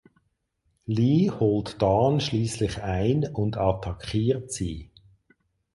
Lee holt Dawn schließlich ein und attackiert sie.